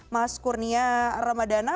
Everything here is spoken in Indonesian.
mas kurnia ramadana